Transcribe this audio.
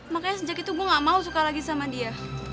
makanya sejak itu gue gak mau suka lagi sama dia